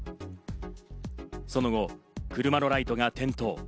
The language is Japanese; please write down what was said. その後、車のライトが点灯。